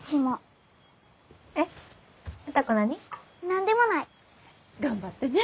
何でもない。頑張ってね。